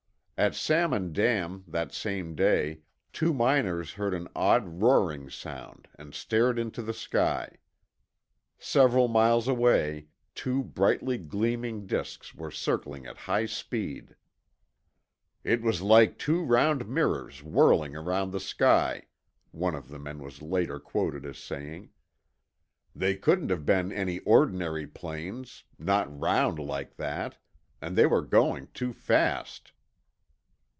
At Salmon Dam, that same day, two miners heard an odd roaring sound and stared into the sky. Several miles away, two brightly gleaming disks were circling at high speed. "It was like two round mirrors whirling around the sky," one of the men was later quoted as saying. "They couldn't have been any ordinary planes; not round like that. And they were going too fast."